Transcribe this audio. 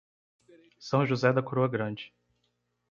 São José da Coroa Grande